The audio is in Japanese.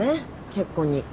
結婚に。